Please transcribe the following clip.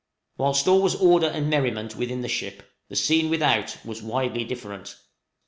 Whilst all was order and merriment within the ship, the scene without was widely different.